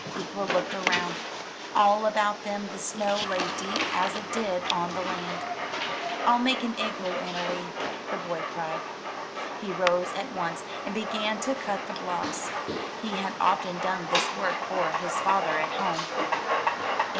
Ikwa looked around. All about them the snow lay deep as it did on the land. "I'll make an igloo, Annowee," the boy cried. He rose at once, and began to cut the blocks. He had often done this work for his father at home.